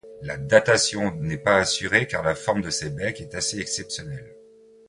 La datation n'est pas assurée car la forme de ses becs est assez exceptionnelle.